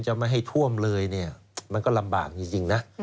ไม่ให้ท่วมเลยเนี่ยมันก็ลำบากจริงนะ